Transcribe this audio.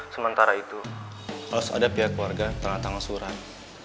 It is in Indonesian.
sementara itu harus ada pihak keluarga tanda tangan surat